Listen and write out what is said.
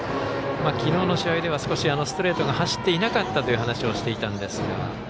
きのうの試合では少しストレートが走っていなかったという話をしていたんですが。